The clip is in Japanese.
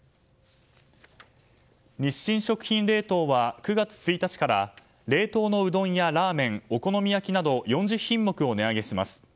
日清食品冷凍は９月１日から冷凍のうどんやラーメンお好み焼きなど４０品目を値上げします。